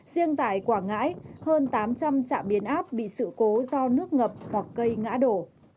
riêng tại quảng ngãi hơn tám trăm linh trạm biến áp bị sự cố do nước ngập hoặc cây ngã đổ